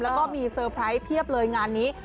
แล้วก็มีเซอร์ไพรส์เพียบเลยงานนี้